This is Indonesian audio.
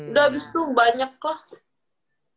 udah abis itu banyak lah